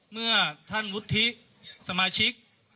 เมื่อท่านวุฒิสมาชิก